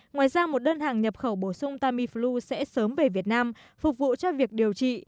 ngoài ra một đơn hàng nhập khẩu bổ sung tamiflu sẽ sớm về việt nam phục vụ cho việc điều trị